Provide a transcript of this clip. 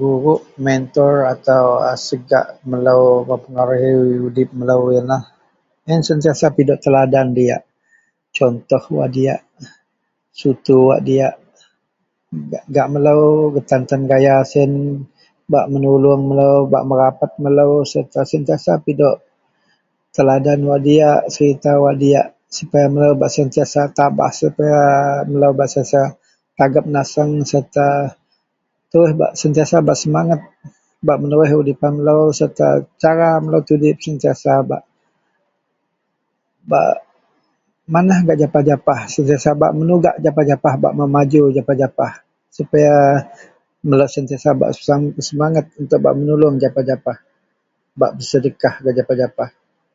Guru, mentor atau a segak melou mempengaruhi udip melou yenlah a yen sentiasa pidok teladan diyak. Contoh wak diyak, sutu wak diyak gak melou betan-tan gaya siyen bak menuluong melou bak merapet melou sereta sentiasa pidok teladan wak diyak, serita wak diyak supaya melou bak sentiasa tabah, supaya melou sentiasa bak tagep naseng sereta terus bak sentiasa bak semenget bak menerus udipan melou sereta cara melou tudip sentiasa bak bak manah gak japah-japah, sentiasa bak menugak japah-japah, bak memaju japah-japah supaya melou sentiasa bak bersemenget untuk bak menuluong japah-japah bak pesedekah gak japah-japah.